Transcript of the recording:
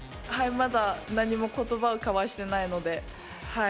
まだ何も言葉を交わしてないので。